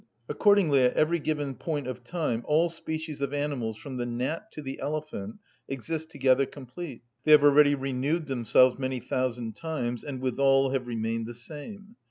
Accordingly at every given point of time all species of animals, from the gnat to the elephant, exist together complete. They have already renewed themselves many thousand times, and withal have remained the same.